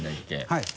はい。